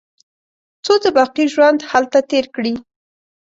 څو د باقي ژوند هلته تېر کړي.